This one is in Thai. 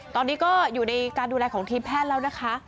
ตอนนี้ก็อยู่ในการดูแลของทีมแพทย์แล้วนะคะ